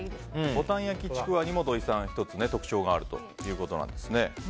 ぼたん焼きちくわにも土井さん、１つ特徴があるということですね。